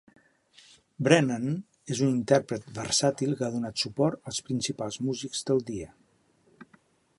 Brennan és un intèrpret versàtil que ha donat suport als principals músics del dia.